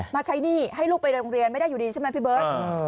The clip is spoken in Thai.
ใช้หนี้ให้ลูกไปโรงเรียนไม่ได้อยู่ดีใช่ไหมพี่เบิร์ต